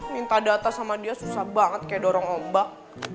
minta data sama dia susah banget kayak dorong ombak